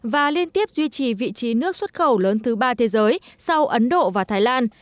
và liên tiếp duy trì vị trí nước xuất khẩu lớn thứ ba thế giới sau ấn độ và thái lan